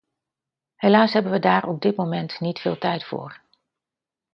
Helaas hebben we daar op dit moment niet veel tijd voor.